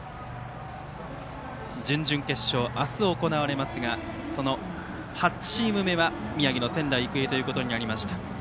準々決勝、明日行われますがその８チーム目は宮城の仙台育英となりました。